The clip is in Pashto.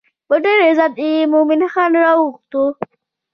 په ډېر عزت یې مومن خان راوغوښت.